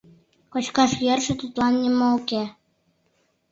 — Кочкаш йӧршӧ тетла нимо уке.